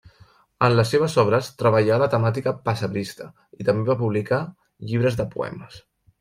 En les seves obres treballà la temàtica pessebrista i també va publicar llibres de poemes.